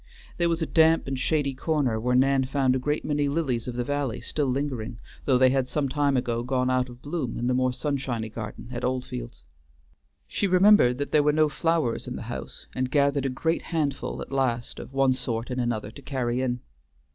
There was a damp and shady corner where Nan found a great many lilies of the valley still lingering, though they had some time ago gone out of bloom in the more sunshiny garden at Oldfields. She remembered that there were no flowers in the house and gathered a great handful at last of one sort and another to carry in.